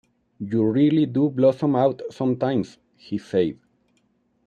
“You really do blossom out sometimes,” he said.